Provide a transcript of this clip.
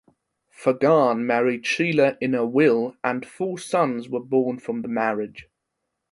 Fagan married Sheila Ina Wille and four sons were born from the marriage.